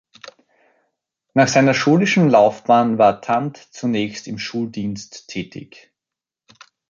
Nach seiner schulischen Laufbahn war Thant zunächst im Schuldienst tätig.